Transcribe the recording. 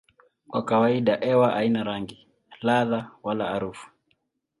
Kwa kawaida hewa haina rangi, ladha wala harufu.